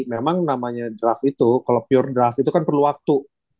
memang namanya draft itu kalau pure draft itu kan perlu waktu